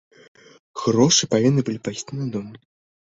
Грошы павінны былі пайсці на дом.